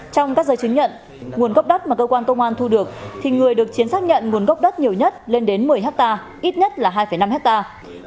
trong các giấy chứng nhận nguồn gốc đất mà cơ quan công an thu được thì người được chiến xác nhận nguồn gốc đất nhiều nhất lên đến một mươi hectare ít nhất là hai năm hectare